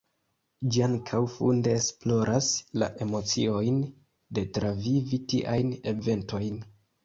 Ĝi ankaŭ funde esploras la emociojn de travivi tiajn eventojn.